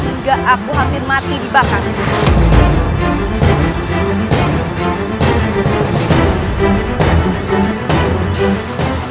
hingga aku hampir mati di bakar